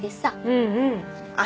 うんうん。